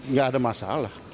nggak ada masalah